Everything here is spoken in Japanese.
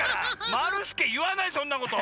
まるすけいわないそんなこと！